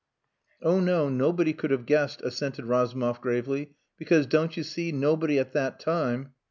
"Oh no. Nobody could have guessed," assented Razumov gravely, "because, don't you see, nobody at that time...."